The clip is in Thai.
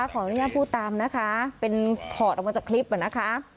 ขออนุญาตพูดตามนะคะเป็นคอร์ตออกมาจากคลิปเหมือนนะคะ